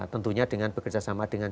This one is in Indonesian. tentunya dengan bekerja sama dengan